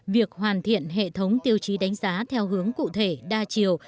việc hoàn thiện hệ thống tiêu chí đánh giá theo hướng cụ thể đa chiều